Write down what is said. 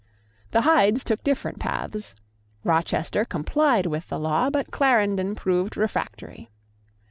The Hydes took different paths. Rochester complied with the law; but Clarendon proved refractory.